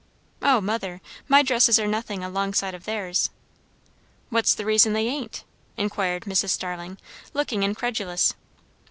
"O, mother, my dresses are nothing alongside of theirs." "What's the reason they ain't?" inquired Mrs. Starling, looking incredulous.